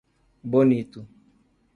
Bonito